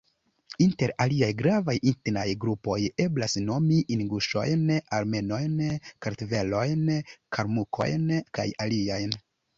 Inter aliaj gravaj etnaj grupoj eblas nomi inguŝojn, armenojn, kartvelojn, kalmukojn kaj aliajn.